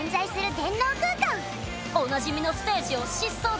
おなじみのステージを疾走です！